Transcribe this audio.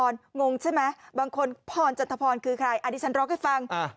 งงใช่ไหมบางคนพรจันทพรคือใครอันนี้ฉันร้องให้ฟังอ่า